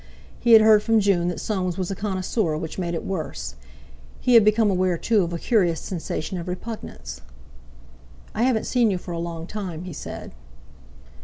He had heard from June that Soames was a connoisseur, which made it worse. He had become aware, too, of a curious sensation of repugnance. "I haven't seen you for a long time," he said.